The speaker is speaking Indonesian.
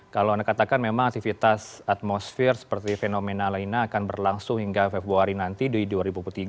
kalau anda katakan memang aktivitas atmosfer seperti fenomena lainnya akan berlangsung hingga februari nanti di dua ribu dua puluh tiga